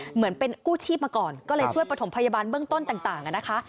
เหมือนเป็นกู้ชีพมาก่อนก็เลยช่วยประถมพยาบาลเบื้องต้นต่างนะคะ